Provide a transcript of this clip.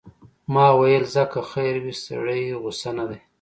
ما ویل ځه که خیر وي، سړی غوسه نه دی.